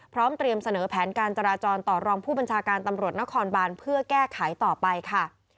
เตรียมเสนอแผนการจราจรต่อรองผู้บัญชาการตำรวจนครบานเพื่อแก้ไขต่อไปค่ะ